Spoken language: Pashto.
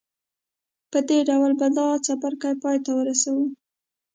په دې ډول به دا څپرکی پای ته ورسوو